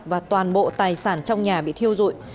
và toàn bộ tài sản trong nhà bị thiêu dụi